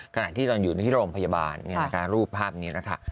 ขณะที่ตอนอยู่ในที่โรงพยาบาลรูปภาพนี้แหละค่ะ